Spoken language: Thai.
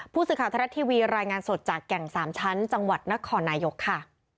ผู้สื่อข่าวทรัฐทีวีรายงานสดจากแก่งสามชั้นจังหวัดนครนายกค่ะ